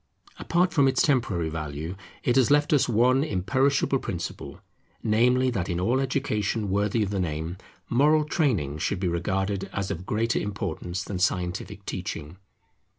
Apart from its temporary value, it has left us one imperishable principle, namely that in all education worthy of the name, moral training should be regarded as of greater importance than scientific teaching.